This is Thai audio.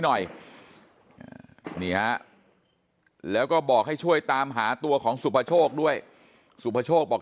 หน่อยนี่ฮะแล้วก็บอกให้ช่วยตามหาตัวของสุภโชคด้วยสุภโชคบอก